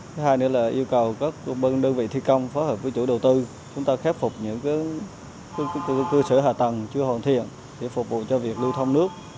thứ hai nữa là yêu cầu các công bân đơn vị thi công phó hợp với chủ đầu tư chúng ta khép phục những cái cơ sở hạ tầng chưa hoàn thiện để phục vụ cho việc lưu thông nước